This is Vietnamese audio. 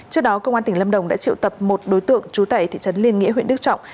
trước đó công an tỉnh lâm đồng đã triệu tập một đối tượng trú tại thị trấn liên nghĩa huyện đức trọng